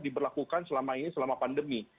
diberlakukan selama ini selama pandemi